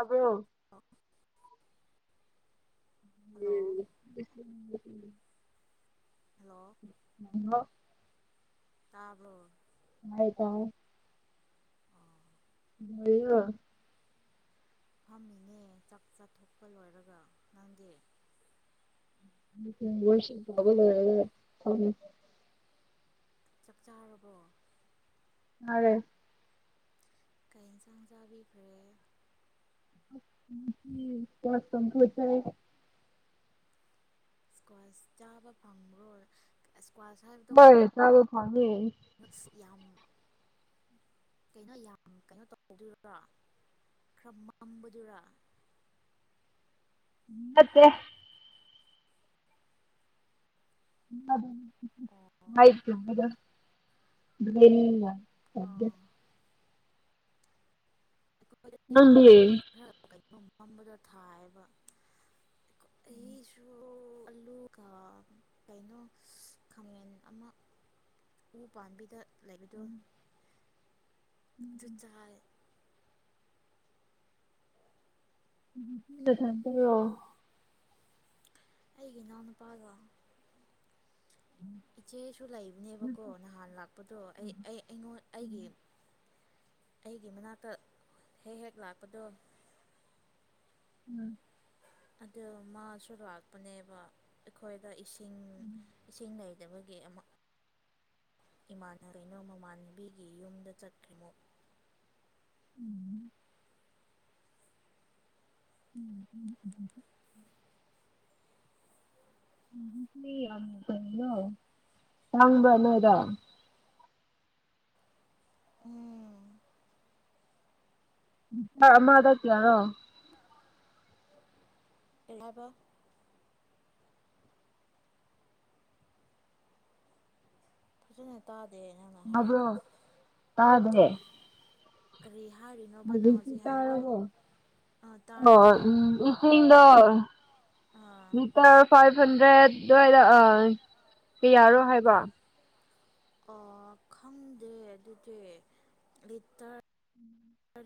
ꯑꯕꯣ hello hello ꯇꯥꯕꯣ ꯍꯩꯃ ꯀꯥꯎꯋꯦ ꯑꯣ [unintelligible] ꯐꯝꯃꯤꯅꯦ ꯆꯥꯛ ꯆꯥꯊꯣꯛꯄ ꯂꯣꯏꯔꯒ ꯅꯪꯗꯤ [unintelligible] ꯆꯥꯛ ꯆꯥꯥꯔꯕꯣ ꯅꯥꯔꯦ ꯀꯩ ꯏꯟꯁꯥꯡ ꯆꯥꯕꯤꯈ꯭ꯔꯦ [unintelligible] ꯁꯀ꯭ꯋꯥꯁ ꯆꯥꯕ ꯐꯪꯕ꯭ꯔꯣ ꯁꯀ꯭ꯋꯥꯁ ꯍꯥꯏꯕꯗꯣ ꯍꯣꯏ ꯀꯩꯅꯣ ꯆꯥꯕ ꯐꯪꯉꯦ ꯃꯁ ꯌꯥꯝ [inaudible] ꯀꯩꯅꯣ ꯌꯥꯝ ꯀꯩꯅꯣ ꯇꯧꯗꯣꯏꯔꯣ ꯈ꯭ꯔ ꯃꯝꯕꯗꯨꯔꯥ ꯅꯠꯇꯦ [unintelligible] ꯊꯗꯦ ꯑꯣ ꯑꯥ ꯃꯇꯦꯡ ꯅꯪꯗꯤ ꯄꯥꯡꯕꯗꯣ ꯈꯔ ꯃꯝꯃꯕꯗꯣ ꯊꯥꯏꯑꯦꯕ [inaudible] ꯑꯩꯁꯨ ꯑꯂꯨꯒ ꯀꯩꯅꯣ ꯈꯥꯃꯦꯟ ꯑꯃ ꯎ ꯄꯥꯝꯕꯤꯗ ꯂꯩꯕꯗꯣ ꯨ ꯟꯨꯠ ꯭ꯆꯥꯏ ꯗꯁꯟꯇꯔꯣ ꯑꯩꯒꯤ ꯏꯅꯥꯎ ꯅꯨꯨꯄꯥꯒ [inaudible] ꯏꯆꯦꯁꯨ ꯌꯥꯝ ꯂꯩꯕꯅꯦꯕꯀꯣ ꯅꯍꯥꯟ ꯂꯥꯛꯄꯗꯣ ꯑꯩ ꯑꯩ ꯑꯩꯉꯣꯟ ꯑꯩꯒꯤ ꯑꯩꯒꯤ ꯃꯅꯥꯛꯇ ꯍꯦꯛ ꯍꯦꯛ ꯂꯥꯛꯄꯗꯣ ꯎꯝ ꯑꯗꯨ ꯃꯥꯁꯨ ꯂꯥꯛꯄꯅꯦꯕ ꯑꯩꯈꯣꯏꯗ ꯏꯁꯤꯡ ꯏꯁꯤꯡ ꯂꯩ ꯇꯕꯒꯤ ꯑꯃ ꯏꯃꯥꯟꯅꯕꯤꯅꯣ ꯃꯃꯥꯟꯕꯤꯒꯤ ꯌꯨꯝꯗ ꯆꯠꯈ꯭ꯔꯤꯃꯣ ꯎꯝ ꯎꯝ ꯎꯝ ꯏꯁꯤꯡ ꯌꯥꯝ ꯀꯩꯅꯣ ꯇꯥꯡꯕ꯭ꯔ ꯅꯣꯏꯗ ꯎꯝ ꯂꯤꯇꯔ ꯑꯃꯗ ꯀꯌꯥꯔꯣ [unintelligible] ꯐꯖꯅ ꯇꯥ ꯇꯕꯣ ꯇꯥꯗꯦꯌꯦ ꯀꯔꯤ ꯍꯥꯏ ꯍꯧꯖꯤꯛꯇꯤ ꯇꯥꯔꯕꯣ ꯑꯥ ꯑꯥ [unintelligible] ꯑꯥ ꯂꯤꯇꯔ ꯐꯥꯏꯐ ꯍꯟꯗ꯭ꯔꯦꯠ ꯑꯗꯨꯋꯥꯏꯗ ꯑꯥ ꯀꯌꯥꯔꯣ ꯍꯥꯏꯕ ꯑꯥ ꯈꯪꯗꯦ ꯑꯗꯨꯗꯤ ꯂꯤꯇꯔ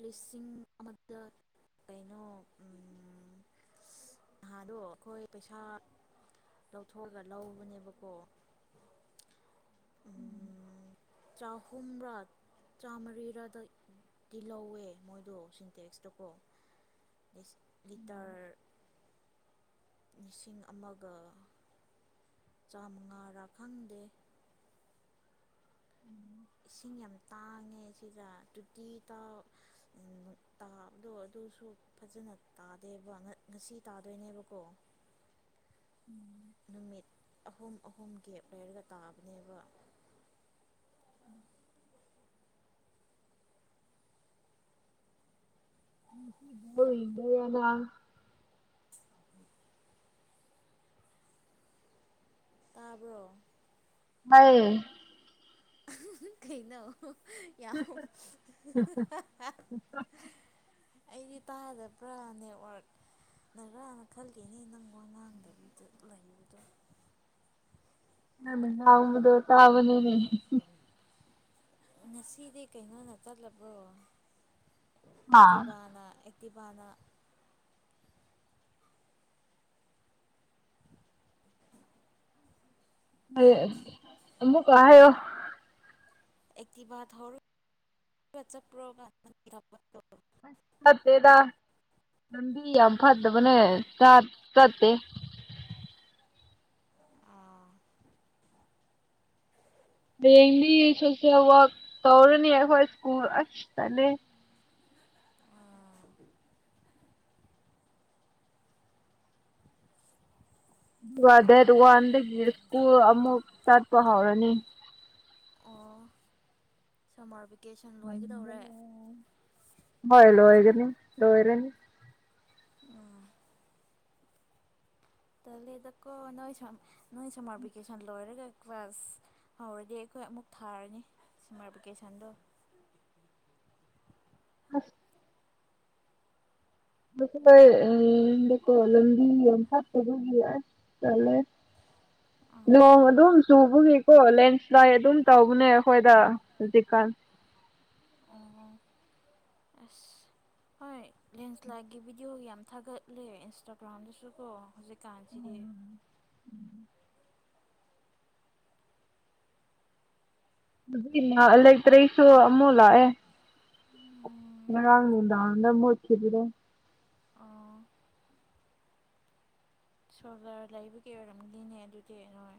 ꯂꯤꯁꯤꯡ ꯑꯃꯗ ꯀꯩꯅꯣ ꯎꯝ ꯅꯍꯥꯟꯗꯣ ꯑꯩꯈꯣꯏ ꯄꯩꯁꯥ ꯂꯧꯊꯣꯛꯑꯒ ꯂꯧꯕꯅꯦꯕꯀꯣ ꯆꯍꯨꯝꯔ ꯆꯥꯝꯃꯔꯤꯔꯗ ꯇꯤꯜꯍꯧꯋꯦ ꯃꯣꯏꯗꯣ ꯁꯤꯟꯇꯦꯛꯁꯇꯀꯣ ꯂꯤ ꯂꯤꯁꯤꯡ ꯑꯃꯒ ꯆꯥꯝꯃꯉꯥꯔꯥ ꯈꯪꯗꯦ ꯏꯁꯤꯡ ꯌꯥꯝ ꯇꯥꯡꯉꯦ ꯁꯤꯗ ꯇꯣꯇꯤꯗꯣ ꯇꯥꯕꯗꯣ ꯑꯗꯨꯁꯨ ꯐꯖꯅ ꯇꯥꯗꯦꯕ ꯉꯁꯤ ꯇꯥꯗꯣꯏꯅꯦꯕꯀꯣ [inaudible] ꯅꯨꯃꯤꯠ ꯑꯍꯨꯝ ꯑꯍꯨꯝ ꯒꯦꯞ ꯂꯩꯔꯒ ꯇꯥꯕꯅꯦꯕ [inaudible] [unintelligible] ꯇꯥꯕ꯭ꯔꯣ ꯇꯥꯏꯌꯦ ꯑꯍꯥ ꯍꯥ ꯀꯩꯅꯣ ꯌꯥꯝ [unintelligible] ꯑꯩꯗꯤ ꯇꯥꯗꯕ꯭ꯔꯥ ꯅꯦꯠꯋꯥꯔꯛ ꯉꯔꯥꯡꯅ ꯈꯟꯂꯤꯅꯦ ꯅꯪ ꯋꯥꯉꯥꯡꯗꯕꯤꯗ ꯂꯩꯕꯗꯣ ꯅꯪꯅ ꯉꯥꯡꯕꯗꯣ ꯇꯥꯕꯅꯤꯅꯦ ꯉꯁꯤꯗꯤ ꯀꯩꯅꯣꯅ ꯆꯠꯂꯕꯔꯣ ꯍꯥ ꯑꯦꯛꯇꯤꯚꯥꯅ ꯑꯦꯛꯇꯤꯚꯥꯅ ꯍꯜꯂꯛꯑꯦ ꯑꯃꯨꯛꯀ ꯍꯥꯏꯌꯣ ꯑꯦꯛꯇꯤꯚꯥ ꯊꯧꯔꯒ [unintelligible] ꯆꯠꯄ꯭ꯔꯣ [unintelligible] ꯐꯠ ꯐꯠꯇꯦꯗ ꯂꯝꯕꯤ ꯌꯥꯝ ꯐꯠꯇꯕꯅꯦ ꯆꯥꯠ ꯆꯠꯇꯦ ꯑꯥ ꯍꯌꯦꯡꯗꯤ ꯁꯣꯁꯦꯜ ꯋꯥꯔꯛ ꯇꯧꯔꯅꯤ ꯑꯩꯈꯣꯏ ꯁ꯭ꯀꯨꯜ ꯑꯁ ꯇꯟꯂꯦ ꯑꯗꯨꯒ ꯗꯦꯠ ꯋꯥꯟꯗꯒꯤ ꯁ꯭ꯀꯨꯜ ꯑꯃꯨꯛ ꯆꯠꯄ ꯍꯧꯔꯅꯤ ꯁꯃꯥꯔ ꯕꯦ [unintelligible] ꯍꯣꯏ ꯂꯣꯏꯒꯅꯤ ꯂꯣꯏꯔꯅꯤ ꯎꯝ ꯇꯂꯦꯗꯀꯣ ꯅꯣꯏ ꯁꯝ ꯅꯣꯏ ꯁꯝꯃꯔ ꯚꯦꯀꯦꯁꯟ ꯂꯣꯏꯔꯒ ꯀ꯭ꯂꯥꯁ ꯍꯧꯔꯗꯤ ꯑꯩ ꯍꯣꯏ ꯑꯃꯨꯛ ꯊꯥꯔꯅꯤ ꯁꯝꯃꯔ ꯚꯦꯀꯦꯁꯟꯗꯣ [inaudible] ꯑꯁ [unintelligible] ꯑꯗꯨꯒ ꯂꯝꯕꯤ ꯌꯝ ꯐꯠꯇꯕꯒꯤ ꯑꯁ ꯇꯜꯂꯦ ꯅꯣꯡ ꯑꯗꯨꯝ ꯆꯨꯕꯒꯤ ꯑꯣ ꯂꯦꯟ ꯁ꯭ꯂꯥꯠ ꯑꯗꯨꯝ ꯇꯧꯕꯅꯦ ꯑꯩꯈꯣꯏꯗ ꯍꯧꯖꯤꯛꯀꯥꯟ [inaudible] ꯑꯁ ꯍꯣꯏ ꯂꯦꯟꯁ꯭ꯂꯥꯠꯀꯤ ꯚꯤꯗꯤꯌꯣ ꯌꯥꯝ ꯊꯥꯒꯠꯂꯦ ꯏꯟꯁꯇꯥꯒ꯭ꯔꯥꯝꯗꯁꯨ ꯀꯣ ꯍꯧꯖꯤꯛ ꯎꯝ [unintelligible] ꯂꯩꯇ꯭ꯔꯦ ꯑꯩꯁꯨ ꯑꯃꯨꯛ ꯂꯥꯛꯑꯦ ꯉꯔꯥꯡ ꯅꯨꯡꯗꯥꯡꯗ ꯃꯠꯈꯤꯕꯗꯣ ꯁꯣꯜꯚꯔ ꯂꯩꯕꯒꯤ ꯑꯣꯏꯔꯝꯅꯤꯅꯦ ꯑꯗꯨꯗꯤ ꯅꯣꯏ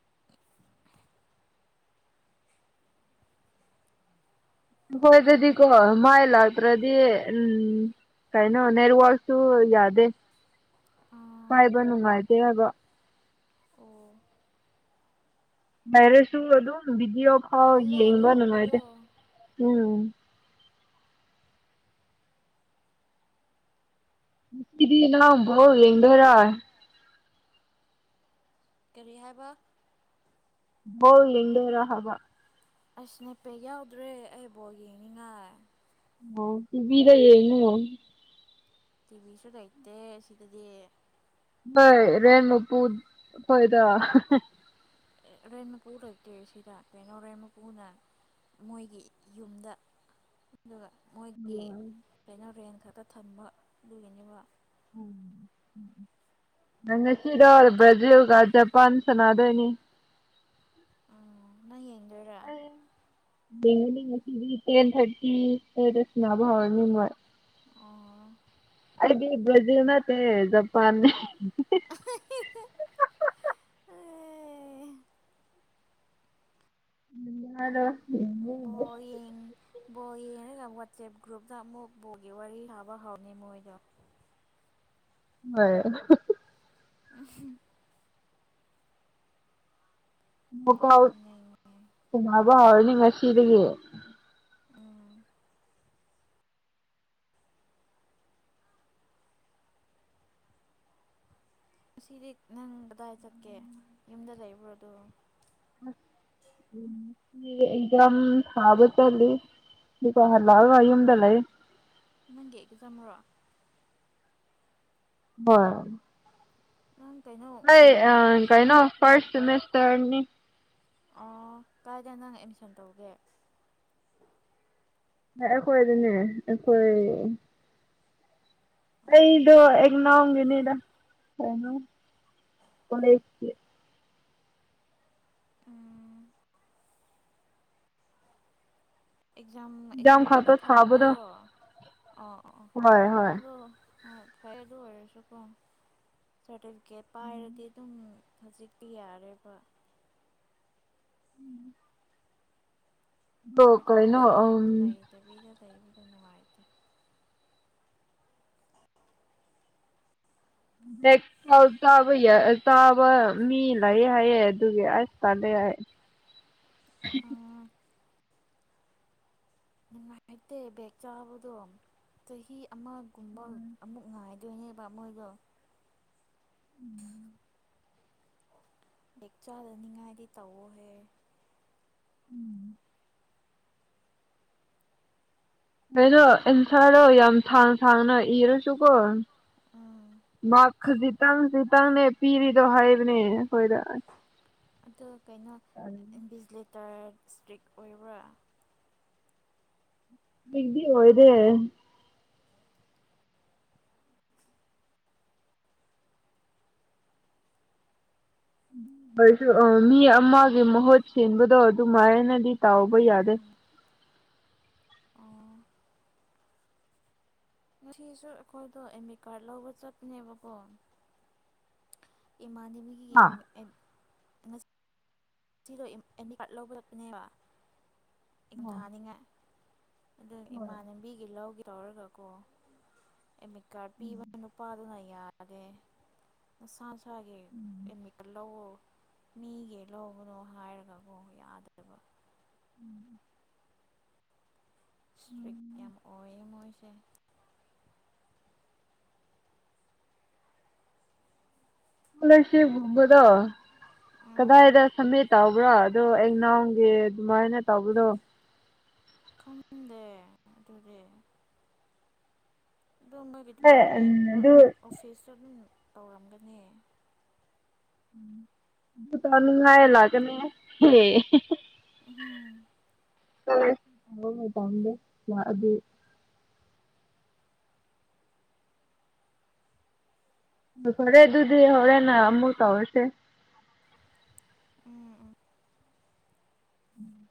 [inaudible] ꯃꯈꯣꯏꯗꯗꯤꯀꯣ ꯃꯥꯏ ꯂꯥꯛꯇ꯭ꯔꯗꯤ ꯎꯝ ꯀꯩꯅꯣ ꯅꯦꯠꯋꯥꯛꯁꯨ ꯌꯥꯗꯦ ꯑꯣ ꯄꯥꯏꯕ ꯅꯨꯡꯉꯥꯏꯇꯦ ꯍꯥꯏꯕ ꯃꯔꯤꯁꯁꯨ ꯑꯗꯨꯝ ꯚꯤꯗꯤꯌꯣꯐꯥꯎ ꯇꯜꯂꯦ ꯌꯦꯡꯕ ꯑꯗꯨꯒꯨꯝꯕꯗꯣ ꯅꯨꯡꯉꯥꯏꯇꯦ ꯎꯝ ꯉꯁꯤꯗꯤ ꯅꯪ ꯕꯣꯜ ꯌꯦꯡꯗꯣꯏꯔꯣ ꯀꯔꯤ ꯍꯥꯏꯕ ꯍꯣ ꯌꯦꯡꯗꯣꯏꯔ ꯍꯥꯏꯕ ꯑꯁ ꯅꯦꯠꯄꯦꯛ ꯌꯥꯎꯗ꯭ꯔꯦ ꯑꯩ ꯕꯣꯜ ꯌꯦꯡꯅꯤꯡꯉꯥꯏ ꯑꯣ ꯇꯤꯚꯤꯗ ꯌꯦꯡꯉꯣ ꯇꯤꯚꯤꯁꯨ ꯂꯩꯇꯦ ꯑꯁꯤꯗꯗꯤ ꯍꯣꯏ ꯔꯦꯟ ꯃꯄꯨ ꯈꯣꯏꯗ ꯍꯍꯦ ꯍꯦ ꯔꯦꯟ ꯃꯄꯨꯨ ꯂꯩꯇꯦ ꯁꯤꯗ ꯀꯩꯅꯣ ꯔꯦꯟ ꯃꯄꯨꯨꯅ ꯃꯣꯏꯒꯤ ꯌꯨꯝꯗ ꯑꯗꯨꯒ ꯃꯣꯏꯒꯤ ꯀꯩꯅꯣ ꯔꯦꯟ ꯈꯛꯇ ꯊꯝꯕ ꯑꯗꯨꯒꯤꯅꯦꯕ ꯎꯝ ꯎꯝ ꯅꯪ ꯉꯁꯤꯗꯣ ꯕ꯭ꯔꯥꯖꯤꯜꯒ ꯖꯄꯥꯟ ꯁꯅꯥꯗꯣꯏꯅꯤ ꯎꯝ ꯅꯪ ꯌꯦꯡ ꯑꯩ ꯌꯦꯡꯉꯅꯤ ꯉꯁꯤꯗꯤ ꯇꯦꯟ ꯊꯔꯇꯤ ꯁꯋꯥꯏꯗ ꯁꯟꯅꯕ ꯍꯧꯔꯅꯤ ꯃꯣꯏ ꯑꯣ ꯑꯩꯗꯤ ꯕ꯭ꯔꯥꯖꯤꯜ ꯅꯠꯇꯦ ꯖꯄꯥꯟꯅꯦ ꯍꯤ ꯍꯤꯪ ꯍꯥ ꯍꯥ ꯍꯥ ꯑꯦ [unintelligible] ꯕꯣꯜ ꯌꯦꯡ ꯕꯣꯜ ꯌꯦꯡꯔꯒ ꯑꯃꯨꯛ ꯋꯥꯆꯦꯞ ꯒ꯭ꯔꯨꯞꯇ ꯑꯃꯨꯛ ꯕꯣꯜꯒꯤ ꯋꯥꯔꯤ ꯁꯥꯕ ꯍꯧꯅꯤ ꯃꯣꯏꯗꯣ ꯍꯣꯏ ꯑꯍ ꯍꯨ ꯎꯝꯍꯨꯝ ꯕꯀꯥꯎ ꯅꯣꯛꯅꯤꯡꯉꯦ ꯁꯥꯅꯕ ꯍꯧꯔꯅꯤ ꯉꯁꯤꯗꯒꯤ ꯎꯝ ꯉꯁꯤꯗꯤ ꯅꯪ ꯀꯗꯥꯏ ꯆꯠꯀꯦ ꯌꯨꯝꯗ ꯂꯩꯕ꯭ꯔꯣ ꯗꯨꯝ ꯑꯁ [unintelligible] ꯑꯦꯛꯖꯥꯝ ꯊꯥꯕ ꯆꯠꯂꯨꯏ ꯗꯨꯀ ꯍꯜꯂꯛꯑꯒ ꯌꯨꯝꯗ ꯂꯩꯌꯦ ꯅꯪꯒꯤ ꯑꯦꯛꯖꯥꯝꯔꯣ [unintelligible] ꯅꯪ ꯀꯩꯅꯣ ꯍꯣꯏ ꯎꯝ ꯑꯥ ꯀꯩꯅꯣ ꯐꯥꯔꯁ ꯁꯦꯃꯤꯁꯇ꯭ꯔꯅꯤ ꯑꯣ ꯀꯥꯏꯗ ꯅꯪ ꯑꯦꯠꯃꯤꯁꯟ ꯇꯧꯒꯦ ꯑꯥ ꯑꯩꯈꯣꯏꯗꯅꯦ ꯑꯩꯈꯣꯏ ꯅꯦꯗꯥ ꯀꯩꯅꯣ ꯀꯣꯂꯦꯁꯀꯤ ꯎꯝ ꯑꯦꯛꯖꯥꯝ ꯑꯦꯛꯖꯥꯝ ꯈꯛꯇ ꯊꯥꯕꯗꯨꯔꯣ ꯑꯣ ꯑꯣ ꯍꯣꯏ ꯍꯣꯏ ꯑꯗꯣ ꯍꯣꯏ ꯐꯩ ꯑꯗꯨ ꯑꯣꯏꯔꯁꯨꯀꯣ ꯁ꯭ꯔꯇꯤꯐꯤꯀꯦꯠ ꯄꯥꯏꯔꯗꯤ ꯑꯗꯨꯝ ꯍꯧꯖꯤꯛꯇꯤ ꯌꯥꯔꯦꯕ ꯑꯗꯣ ꯀꯩꯅꯣ ꯁ꯭ꯔꯇꯤꯐꯤꯀꯦꯠ ꯎꯝ ꯂꯩꯗꯕꯤꯗ ꯕꯦꯛ [unintelligible] ꯆꯥꯕ ꯃꯤ ꯂꯩꯌꯦ ꯍꯥꯏꯌꯦ ꯑꯗꯨꯒꯤ ꯑꯁ ꯇꯥꯜꯂꯦ [unintelligible] ꯅꯨꯡꯉꯥꯏꯇꯦ ꯕꯦꯛ ꯆꯥꯕꯗꯣ ꯆꯍꯤ ꯑꯃꯒꯨꯝꯕ ꯑꯃꯨꯛ ꯉꯥꯏ ꯗꯨꯅꯦꯕ ꯃꯣꯏꯒ ꯎꯝ ꯕꯦꯛ ꯆꯥꯗꯅꯤꯡꯉꯥꯏꯗꯤ ꯇꯧꯋꯣ ꯍꯦ ꯎꯝ ꯀꯩꯅꯣ ꯑꯦꯟꯊ꯭ꯔꯗꯣ ꯌꯥꯝ ꯊꯥꯡ ꯁꯥꯡꯅ ꯏꯔꯁꯨꯀꯣ ꯎꯝ ꯃꯥꯔꯛ ꯈꯖꯤꯛꯇꯪ ꯈꯖꯤꯛꯇꯪꯅꯦ ꯄꯤꯔꯤꯗꯣ ꯍꯥꯏꯕꯅꯦ ꯑꯩꯈꯣꯏꯗ ꯑꯗꯣ ꯀꯩꯅꯣ ꯏꯟꯕꯤꯖꯤꯂꯦꯇ꯭ꯔ ꯁ꯭ꯇꯔꯤꯛ ꯑꯣꯏꯕ꯭ꯔꯥ ꯕꯦꯛꯗꯤ ꯑꯣꯏꯗꯦ [unintelligible] ꯑꯥ ꯃꯤ ꯑꯃꯒꯤ ꯃꯍꯨꯠ ꯁꯤꯟꯕꯗꯣ ꯑꯗꯨꯃꯥꯏꯅ ꯗꯤ ꯇꯧꯕ ꯌꯥꯗꯦ ꯎꯝ ꯑꯣ ꯉꯁꯤꯁꯨ ꯑꯩꯈꯣꯏꯗꯣ ꯑꯦꯗꯃꯤꯀꯥ꯭ꯔꯠꯗ ꯂꯧꯕ ꯆꯠꯄꯅꯦꯕꯀꯣ ꯏꯃꯥꯟꯅꯕꯤꯒꯤ ꯍꯥ [unintelligible] ꯁꯤꯔꯣ ꯑꯦꯗ ꯑꯦꯗꯃꯤ ꯀꯥ꯭ꯔꯠꯗ ꯂꯧꯕꯤꯔꯛꯄꯅꯦꯕ ꯏꯪꯊꯅꯤꯡꯉꯥꯏ ꯑꯗꯨ ꯁ꯭ꯀꯣꯂꯔꯁꯤꯞꯒꯨꯝꯕꯗꯣ ꯏꯃꯥꯟꯅꯕꯤꯒꯤ ꯂꯧꯒꯦ ꯇꯧꯔꯒ ꯀꯣ ꯑꯦꯗꯃꯤꯠ ꯀꯥ꯭ꯔꯠꯗ ꯄꯤꯕ ꯅꯨꯄꯥꯗꯨꯅ ꯑꯩ ꯌꯥꯗꯦ ꯅꯥꯁꯥ ꯅꯁꯥꯒꯤ ꯑꯦꯗꯃꯤꯀ꯭ꯔꯥꯠꯗ ꯂꯧꯋꯣ ꯃꯤꯒꯤꯂꯧ ꯎꯝ ꯁ꯭ꯄꯔꯤꯛ ꯌꯥꯝ ꯑꯣꯏꯌꯦ ꯃꯣꯏꯁꯦ ꯁ꯭ꯀꯣꯂ꯭ꯔꯁꯤꯞ ꯒꯨꯝꯕꯗꯣ ꯎꯝ ꯀꯗꯥꯏꯗ ꯁꯝꯃꯤꯠ ꯇꯧꯕ꯭ꯔꯥ ꯑꯥꯗꯣ ꯑꯦꯛꯅꯥꯟꯒꯤ ꯑꯗꯨꯃꯥꯏꯅꯦ ꯇꯧꯕꯗꯣ ꯑꯥꯗꯨꯗꯤ ꯑꯥꯗꯣ ꯅꯣꯏꯒꯤ ꯍꯣꯏ ꯗꯤꯄꯥ꯭ꯔꯠꯃꯦꯟꯗ ꯑꯗꯨ ꯑꯗꯨ ꯑꯣꯐ꯭ꯤꯁꯇ ꯑꯗꯨꯝ ꯇꯧꯔꯝꯒꯅꯤ [unintelligible] ꯎꯝ ꯎꯝ [unintelligible] ꯍꯣꯏ ꯐꯔꯦ ꯑꯗꯨꯗꯤ ꯍꯣꯔꯦꯟ ꯑꯃꯨꯛ ꯇꯧꯔꯁꯦ ꯎꯝ ꯎꯝ